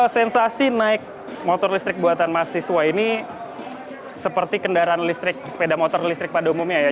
sensasi naik motor listrik buatan mahasiswa ini seperti kendaraan listrik sepeda motor listrik pada umumnya ya